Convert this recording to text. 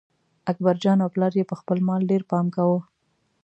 اکبرجان او پلار یې په خپل مال ډېر پام کاوه.